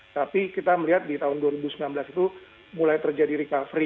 tapi kita melihat di tahun dua ribu sembilan belas itu mulai terjadi recovery